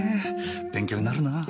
勉強になるなぁ。